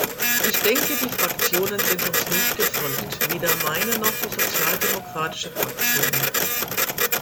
Ich denke, die Fraktionen sind uns nicht gefolgt, weder meine noch die sozialdemokratische Fraktion.